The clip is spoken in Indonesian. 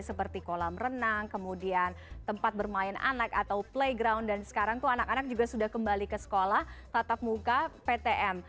seperti kolam renang kemudian tempat bermain anak atau playground dan sekarang tuh anak anak juga sudah kembali ke sekolah tatap muka ptm